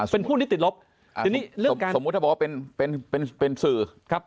เป็นหุ้นนี้ติดล๊อบสมมุติถ้าบอกว่าเป็นสื่อ